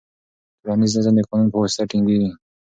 ټولنیز نظم د قانون په واسطه ټینګیږي.